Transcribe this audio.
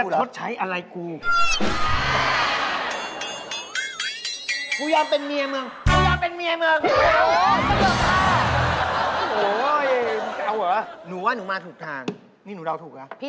หนูตอบได้เลยนะเมื่อกี้นี่